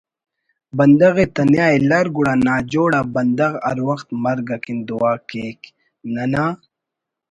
بندغ ءِ تنیا الار گڑا ناجوڑ آ بندغ ہر وخت مرگ اکن دعا کیک ننا